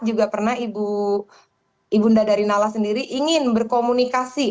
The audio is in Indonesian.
juga pernah ibu nda nalla sendiri ingin berkomunikasi